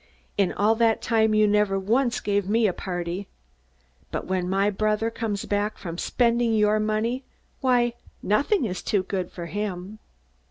In all that time you never once gave me a party. But when my brother comes back from spending your money why, nothing is too good for him!'